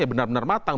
ya benar benar matang